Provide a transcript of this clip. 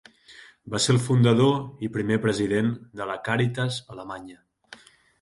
Va ser el fundador i primer president de la Càritas alemanya.